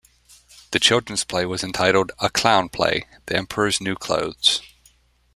The children's play was entitled "A Clown Play: The Emperor's New Clothes".